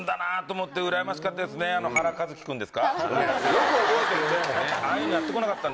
よく覚えてるね。